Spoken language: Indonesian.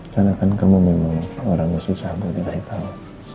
karena kan kamu memang orang yang susah buat dikasih tau